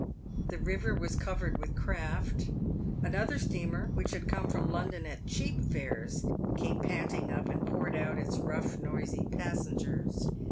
The river was covered with craft. Another steamer, which had come from London at cheap fares, came panting up, and poured out its rough, noisy passengers.